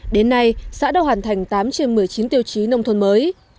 đến nay xã đã hoàn thành tám trên một mươi chín tiêu chí nông thôn mới